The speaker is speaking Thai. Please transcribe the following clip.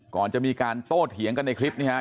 ก่อนจะมีการโต้เถียงกันในคลิปนี้ครับ